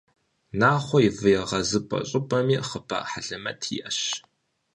«Нахъуэ и вы егъэзыпӏэ» щӏыпӏэми хъыбар хьэлэмэт иӏэщ.